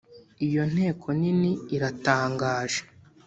Iyo nteko nini iratangaje!